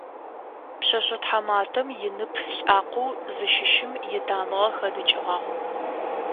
Пшъэшъэ тхьаматэм инып лӏакъоу зыщыщым итамыгъэ хэдыкӏыгъагъ.